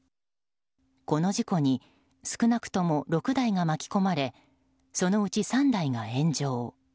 この事故に少なくとも６台が巻き込まれそのうち３台が炎上。